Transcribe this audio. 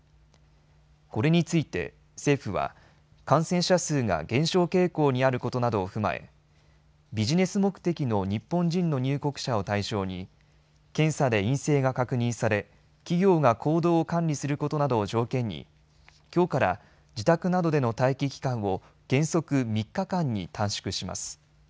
これについて政府は感染者数が減少傾向にあることなどを踏まえビジネス目的の日本人の入国者を対象に検査で陰性が確認され企業が行動を管理することなどを条件にきょうから自宅などでの待機期間を原則３日間に短縮します。